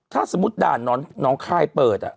ถ้าสมมุติด่านน้องคายเปิด